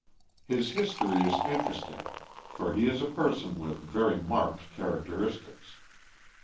His history is interesting for he is a person with very marked characteristics.